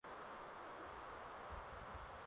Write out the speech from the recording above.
Rukeni uwanjani.